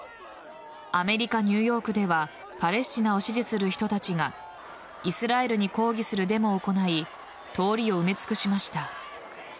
アメリカ・ニューヨークではパレスチナを支持する人たちがイスラエルに抗議するデモを行い通りを埋め尽くしました。